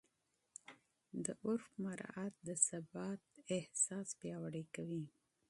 د عرف مراعات د ثبات احساس پیاوړی کوي.